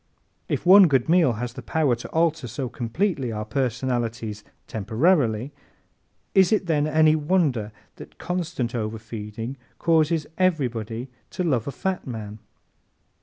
If one good meal has the power to alter so completely our personalities temporarily, is it then any wonder that constant overfeeding causes everybody to love a fat man?